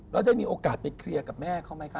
แล้วได้มีโอกาสไปเคลียร์กับแม่เขาไหมคะ